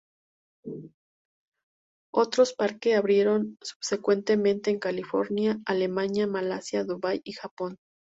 Otros parque abrieron subsecuentemente en California, Alemania, Malasia, Dubái y Japón.